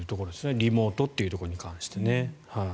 リモートというところに関して。